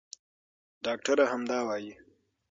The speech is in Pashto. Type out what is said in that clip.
ډاکټره همدا وايي.